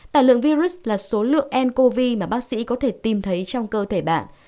tài lượng virus là số lượng ncov mà bác sĩ có thể tìm thấy trong cơ thể bạn